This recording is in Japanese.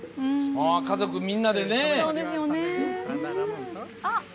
家族みんなでね。